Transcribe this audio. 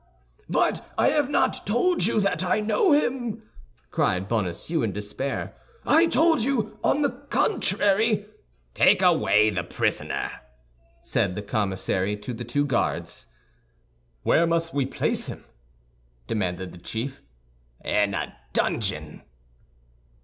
"But I have not told you that I know him!" cried Bonacieux, in despair. "I told you, on the contrary—" "Take away the prisoner," said the commissary to the two guards. "Where must we place him?" demanded the chief. "In a dungeon."